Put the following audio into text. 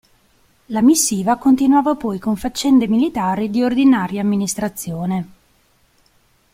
La missiva continuava poi con faccende militari di ordinaria amministrazione.